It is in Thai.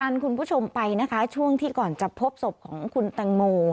คุณผู้ชมไปนะคะช่วงที่ก่อนจะพบศพของคุณแตงโม